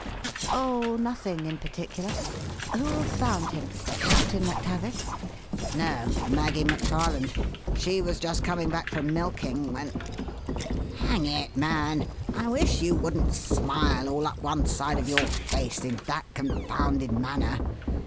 "Oh, nothing in particular. Who found him? Captain MacTavish?" "No. Maggie McFarland. She was just coming back from milking when Hang it, man! I wish you wouldn't smile all up one side of your face in that confounded manner.